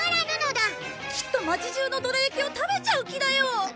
きっと町中のどら焼きを食べちゃう気だよ。